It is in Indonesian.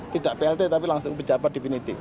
tidak plt tapi langsung pejabat definitif